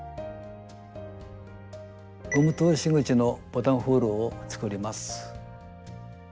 ゴム通し口のボタンホールを作ります。